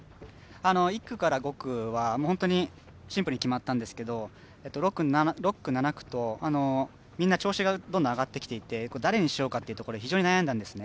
１区から５区はシンプルに決まったんですけど６区、７区と、みんな調子がどんどん上がってきていて誰にしようかというところで非常に悩んだんですね。